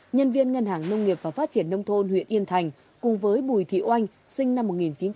nhân viên ngân hàng nông nghiệp và phát triển nông thôn huyện yên thành cùng với bùi thị oanh sinh năm một nghìn chín trăm tám mươi